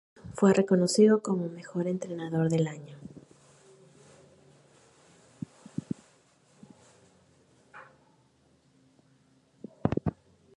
Además, fue reconocido como "mejor entrenador del año".